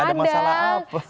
ada masalah apa